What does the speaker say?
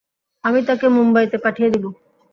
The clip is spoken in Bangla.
আমি তাকে মুম্বাইতে পাঠিয়ে দিবো।